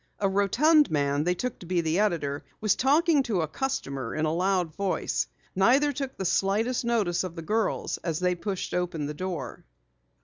A rotund man they took to be the editor was talking to a customer in a loud voice. Neither took the slightest notice of the girls as they pushed open the door.